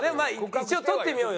一応撮ってみようよ。